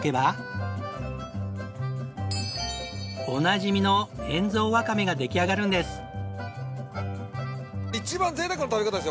おなじみの塩蔵ワカメが出来上がるんです。